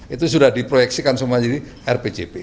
itu sudah diproyeksikan semua jadi rpjp